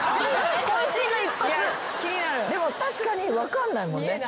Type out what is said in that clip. でも確かに分かんないもんねどっちか。